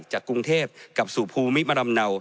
จากกรุงเทพกับสู่ภูมิมารำเนา